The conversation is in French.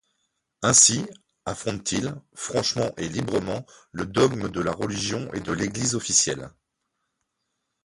Ainsi, affronte-t-il, franchement et librement, le dogme de la religion et de l'Église officielle.